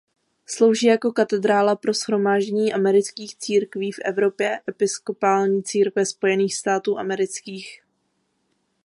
Slouží jako katedrála pro Shromáždění amerických církví v Evropě Episkopální církve Spojených států amerických.